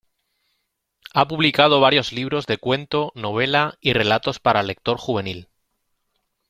Ha publicado varios libros de cuento, novela y relatos para lector juvenil.